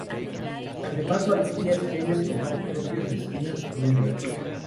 Las demás valquirias temen por sus propios destinos y huyen.